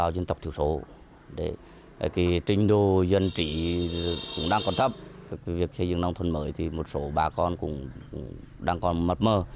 vì trình độ dân trị cũng đang còn thấp việc xây dựng nông thôn mới thì một số bà con cũng đang còn mất mơ